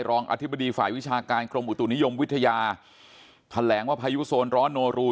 รองอธิบดีฝ่ายวิชาการกรมอุตุนิยมวิทยาแถลงว่าพยุโนรู